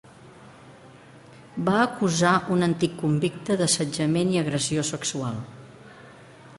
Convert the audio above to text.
Va acusar un antic convicte d'assetjament i agressió sexual.